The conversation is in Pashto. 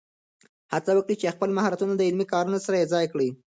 هڅه وکړه چې خپل مهارتونه د عملي کارونو سره یوځای کړې.